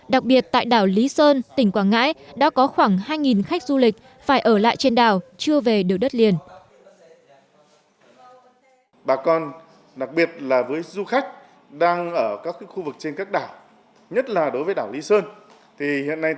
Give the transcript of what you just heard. đặc biệt tại đảo lý sơn tỉnh quảng ngãi đã có khoảng hai khách du lịch